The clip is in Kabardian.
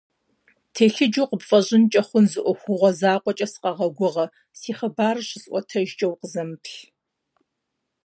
Телъыджэу къыпфӀэщӀынкӀэ хъун зы Ӏуэхугъуэ закъуэкӀэ сыкъэгъэгугъэ - си хъыбарыр щысӀуэтэжкӀэ укъызэмыплъ.